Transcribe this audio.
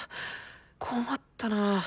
困ったな。